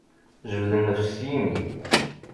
Jbed nnefs s yimi.